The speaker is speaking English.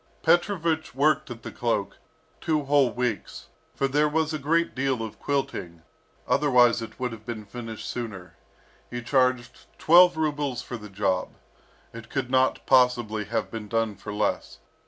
Petrovich worked at the cloak two whole weeks, for there was a great deal of quilting; otherwise it would have been finished sooner. He charged twelve rubles for the job, it could not possibly have been done for less.